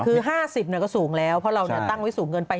คือ๕๐ก็สูงแล้วเพราะเราตั้งไว้สูงเกินไป